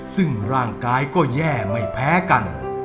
ซึ่งร่างกายก็แย่ไม่แพ้กัน